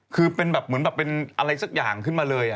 คือเป็นแบบมีอะไรสักอย่างขึ้นมาเลย